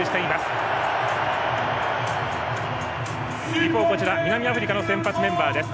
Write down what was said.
一方、南アフリカの先発メンバーです。